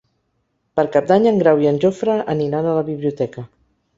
Per Cap d'Any en Grau i en Jofre aniran a la biblioteca.